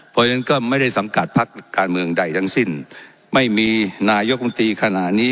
เพราะฉะนั้นก็ไม่ได้สังกัดพักการเมืองใดทั้งสิ้นไม่มีนายกรรมตรีขณะนี้